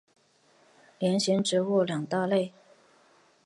链型植物两大类。